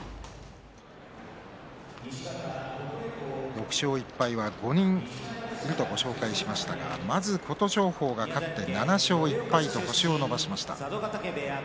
６勝１敗は５人いるとご紹介しましたがまず、琴勝峰が勝って７勝１敗と星を伸ばしました。